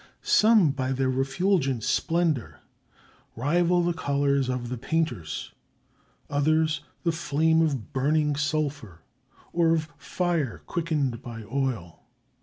Some by their refulgent splendor rival the colors of the painters, others the flame of burning sulphur or of fire quickened by oil."